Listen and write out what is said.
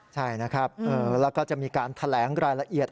ใช่นะครับแล้วก็จะมีการแถลงรายละเอียด